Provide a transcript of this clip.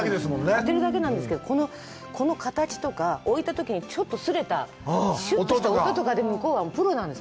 当てるだけなんですけどこの形とか、置いたときに、ちょっとすれた、音とかで、向こうはプロなんです。